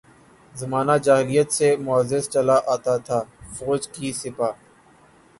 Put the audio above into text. زمانہ جاہلیت سے معزز چلا آتا تھا، فوج کی سپہ